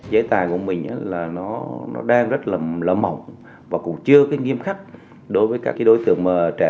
giới tài của mình đang rất là mỏng và cũng chưa nghiêm khắc đối với các đối tượng trẻ